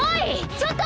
ちょっと！